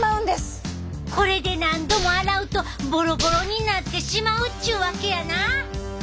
これで何度も洗うとぼろぼろになってしまうっちゅうわけやな。